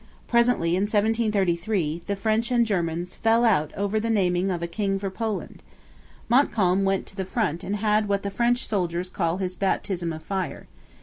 Presently, in 1733, the French and Germans fell out over the naming of a king for Poland. Montcalm went to the front and had what French soldiers call his 'baptism of fire.'